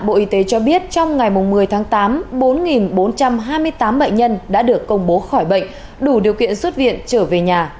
bộ y tế cho biết trong ngày một mươi tháng tám bốn trăm hai mươi tám bệnh nhân đã được công bố khỏi bệnh đủ điều kiện xuất viện trở về nhà